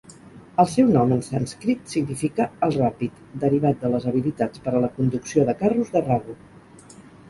El seu nom en sànscrit significa "el ràpid", derivat de les habilitats per a la conducció de carros de Raghu.